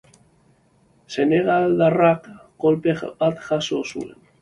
Senegaldarrak kolpe bat jaso zuen.